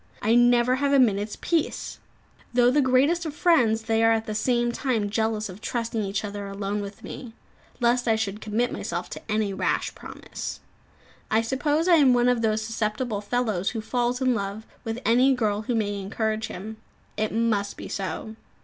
I never have a minute's peace. Though the greatest of friends, they are at the same time jealous of trusting each other alone with me, lest I should commit myself to any rash promise. I suppose I am one of those susceptible fellows who falls in love with any girl who may encourage him. It must be so.